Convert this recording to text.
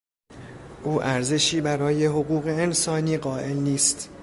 او ارزشی برای حقوق انسانی قائل نیست.